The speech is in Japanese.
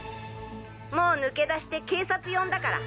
もう抜け出して警察呼んだから。